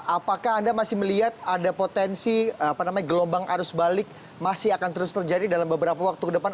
apakah anda masih melihat ada potensi gelombang arus balik masih akan terus terjadi dalam beberapa waktu ke depan